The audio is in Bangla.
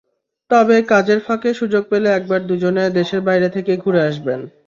তবে কাজের ফাঁকে সুযোগ পেলে একবার দুজনে দেশের বাইরে থেকে ঘুরে আসবেন।